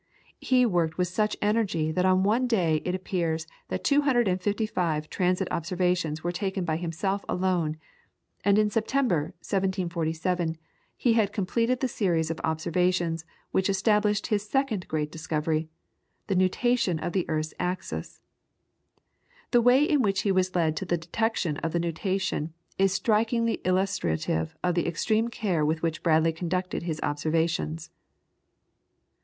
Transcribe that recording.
He worked with such energy that on one day it appears that 255 transit observations were taken by himself alone, and in September, 1747, he had completed the series of observations which established his second great discovery, the nutation of the earth's axis. The way in which he was led to the detection of the nutation is strikingly illustrative of the extreme care with which Bradley conducted his observations.